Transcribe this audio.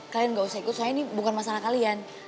kalian gak usah ikut soalnya ini bukan masalah kalian